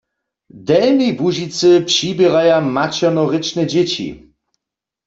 W Delnjej Łužicy přiběraja maćernorěčne dźěći.